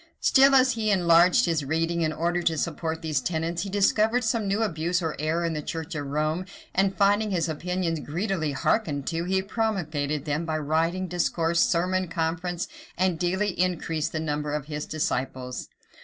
[] Still, as he enlarged his reading, in order to support these tenets, he discovered some new abuse or error in the church of Rome; and finding his opinions greedily hearkened to, he promulgated them by writing, discourse, sermon, conference; and daily increased the number of his disciples.